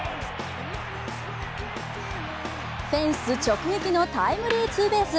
フェンス直撃のタイムリーツーベース。